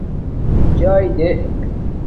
چاݵے دیں